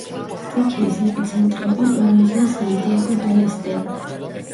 სტიქიის ეპიცენტრი იყო პროვინცია სანტიაგო-დელ-ესტერო.